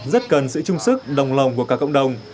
rất cần sự trung sức đồng lòng của cả cộng đồng